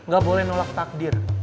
gak boleh nolak takdir